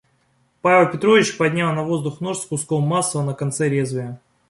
Павел Петрович поднял на воздух нож с куском масла на конце лезвия.